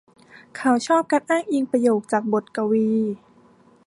เขาชอบการอ้างอิงประโยคจากบทกวี